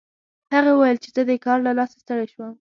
هغې وویل چې زه د کار له لاسه ستړې شوم